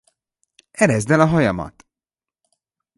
Ereszd el a hajamat!